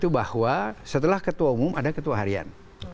bahwa setelah ketua umum ada ketua harian